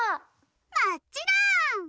もっちろん！